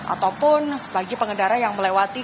ataupun bagi pengendara yang melewati